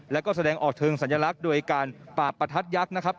แล้วก็แสดงออกเชิงสัญลักษณ์โดยการปราบประทัดยักษ์นะครับ